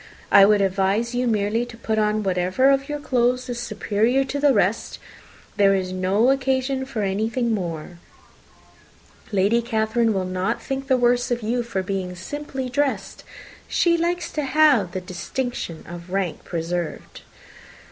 I would advise you merely to put on whatever of your clothes is superior to the rest there is no occasion for anything more. Lady Catherine will not think the worse of you for being simply dressed. She likes to have the distinction of rank preserved."